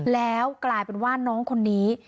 แล้วกลายเป็นว่าน้องคนนี้